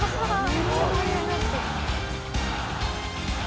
めっちゃ盛り上がってる。